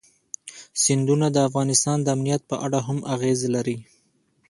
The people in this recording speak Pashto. سیندونه د افغانستان د امنیت په اړه هم اغېز لري.